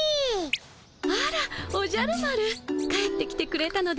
あらおじゃる丸帰ってきてくれたのですね。